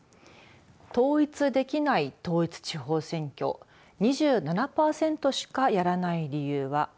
統一できない統一地方選挙２７％しかやらない理由は。